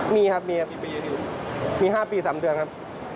มีครับมีครับมี๕ปี๓เดือนครับ